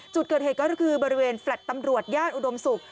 จุดเกิดเหตุก็คือบริเวณแฟลต์ตำรวจย่านอุดมศุกร์